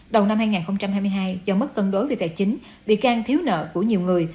đầu năm hai nghìn hai mươi hai do mất cân đối về tài chính bị can thiếu nợ của nhiều người